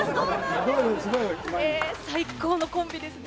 最高のコンビですね。